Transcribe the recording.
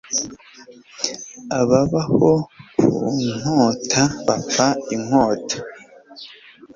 Ababaho ku nkota bapfa inkota.